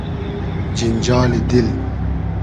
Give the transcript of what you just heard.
جینجالی دیل